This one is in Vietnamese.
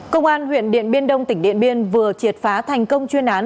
công an huyện điện biên đông tỉnh điện biên vừa triệt phá thành công chuyên án